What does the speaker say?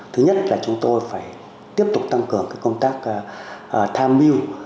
thứ nhất là chúng tôi phải tiếp tục tăng cường công tác tham mưu